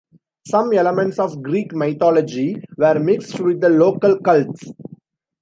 Some elements of Greek mythology were mixed with the local cults.